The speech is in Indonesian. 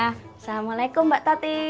assalamualaikum mbak tati